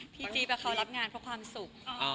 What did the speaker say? จี๊บเขารับงานเพราะความสุข